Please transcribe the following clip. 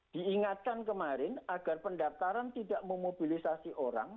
diingatkan kemarin agar pendaftaran tidak memobilisasi orang